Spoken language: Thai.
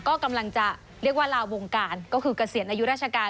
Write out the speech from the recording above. ก็กำลังจะเรียกว่าลาวงการก็คือเกษียณอายุราชการ